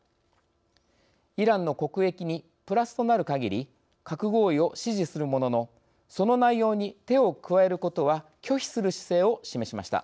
イランの国益にプラスとなる限り核合意を支持するもののその内容に手を加えることは拒否する姿勢を示しました。